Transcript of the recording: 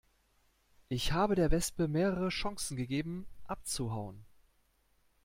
Ich habe der Wespe mehrere Chancen gegeben, abzuhauen.